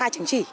hai chứng chỉ